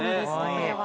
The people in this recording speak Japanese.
これは。